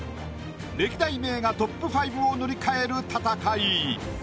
歴代名画ＴＯＰ５を塗り替える戦い。